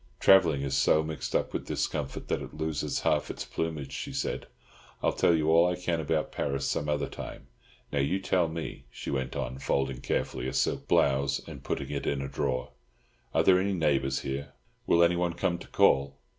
"Travelling is so mixed up with discomfort, that it loses half its plumage," she said. "I'll tell you all I can about Paris some other time. Now you tell me," she went on, folding carefully a silk blouse and putting it in a drawer, "are there any neighbours here? Will anyone come to call?"